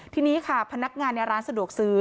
ทีนี้ค่ะพนักงานในร้านสะดวกซื้อ